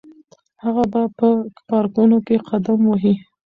هغه به په پارکونو کې قدم وهي.